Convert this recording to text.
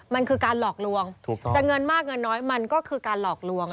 มันคือการหลอกลวงจะเงินมากเงินน้อยมันก็คือการหลอกลวง